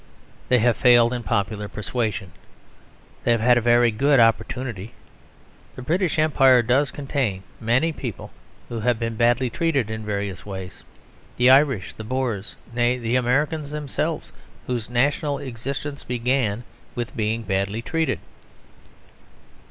They have failed in popular persuasion. They have had a very good opportunity. The British Empire does contain many people who have been badly treated in various ways: the Irish, the Boers; nay, the Americans themselves, whose national existence began with being badly treated.